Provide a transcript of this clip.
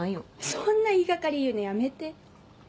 そんな言い掛かり言うのやめて。